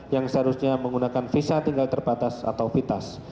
yang seharusnya menggunakan visa tinggal terbatas atau vitas